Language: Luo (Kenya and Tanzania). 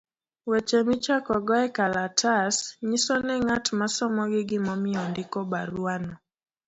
Weche michakogo ekalatas , nyiso ne ng'at ma somogi gimomiyo ondiko barua no.